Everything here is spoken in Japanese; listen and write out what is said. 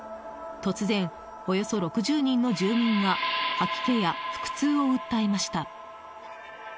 突然、およそ６０人の住民が吐き気や腹痛を訴えました。